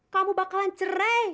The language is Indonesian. kamu bakalan cerai